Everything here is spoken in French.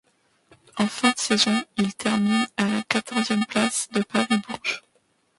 En fin de saison, il termine à la quatorzième place de Paris-Bourges.